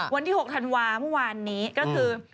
วันที่๖ธันวาเมื่อวานนี้ก็คือ